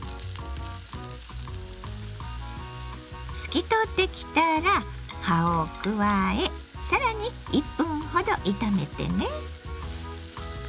透き通ってきたら葉を加え更に１分ほど炒めてね。